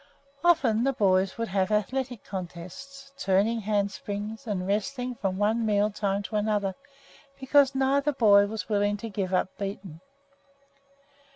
Often the boys would have athletic contests, turning handsprings and wrestling from one meal time to another because neither boy was willing to give up beaten.